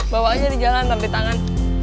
bawa aja di jalan tampil tangan